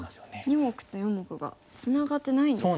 ２目と４目がツナがってないんですね。